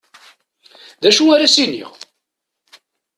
D acu ara as-iniɣ?